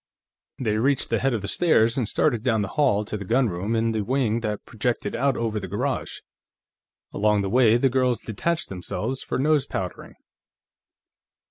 They reached the head of the stairs and started down the hall to the gunroom, in the wing that projected out over the garage. Along the way, the girls detached themselves for nose powdering.